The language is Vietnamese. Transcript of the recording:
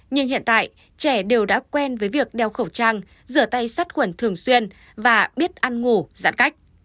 nhưng hiện tại trẻ đều đã quen với việc đeo khẩu trang rửa tay sát khuẩn thường xuyên và biết ăn ngủ giãn cách